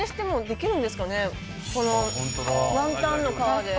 このワンタンの皮で。